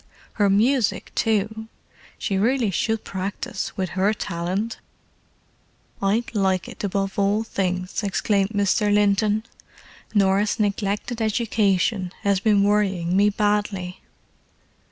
Her music, too: she really should practise, with her talent." "I'd like it above all things," exclaimed Mr. Linton. "Norah's neglected education has been worrying me badly."